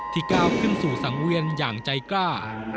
ก้าวขึ้นสู่สังเวียนอย่างใจกล้า